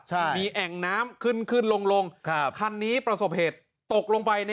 ใช่มีแอ่งน้ำขึ้นขึ้นลงลงครับคันนี้ประสบเหตุตกลงไปใน